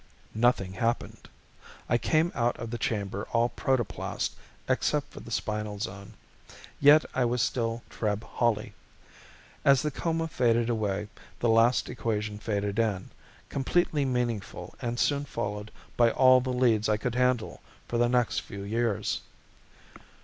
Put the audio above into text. Nothing happened. I came out of the chamber all protoplast except for the spinal zone. Yet I was still Treb Hawley. As the coma faded away, the last equation faded in, completely meaningful and soon followed by all the leads I could handle for the next few years.